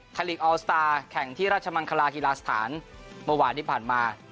ลีกออลสตาร์แข่งที่ราชมังคลาฮีลาสถานเมื่อวานที่ผ่านมา